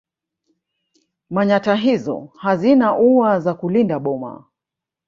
Manyatta hizo hazina ua za kulinda boma